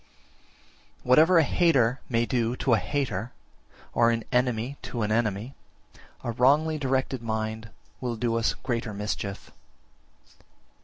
42. Whatever a hater may do to a hater, or an enemy to an enemy, a wrongly directed mind will do us greater mischief.